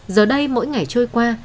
giờ đây mỗi ngày trôi qua